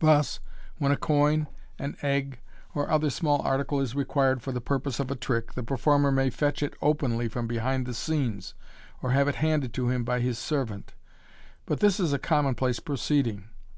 Thus, when a coin, an egg, or other small article, is required for the purpose of a trick, the performer may fetch it openly from behind the scenes, or have it handed to him by his servant; but this is a commonplace proceeding.